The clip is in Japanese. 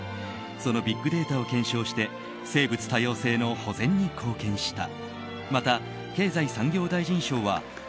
そのビッグデータを検証して生物多様性の保全に貢献した。